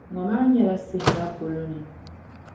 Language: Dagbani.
Ŋɔ maa nyɛla sihira polo ni.